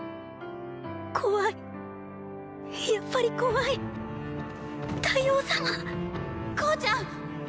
怖いやっぱり怖い大王様向ちゃん！